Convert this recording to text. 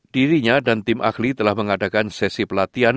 dirinya dan tim ahli telah mengadakan sesi pelatihan